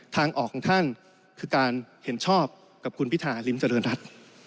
ทางออกของท่านคือการเห็นชอบกับคุณพิธาริมเจริญรัฐ